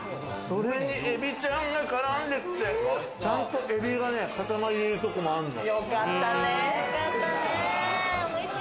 それにエビちゃんが絡んできて、ちゃんとエビがね、塊でいるところもあんの。